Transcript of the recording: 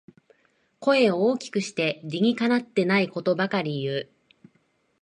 声を大きくして理にかなってないことばかり言う